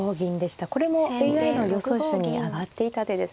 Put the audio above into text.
これもＡＩの予想手に挙がっていた手です。